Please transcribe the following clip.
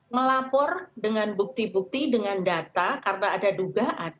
melapor dengan bukti bukti dengan data karena ada dugaan